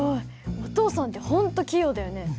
お父さんって本当器用だよね。